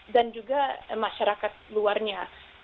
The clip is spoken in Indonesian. dan juga masyarakat luarnya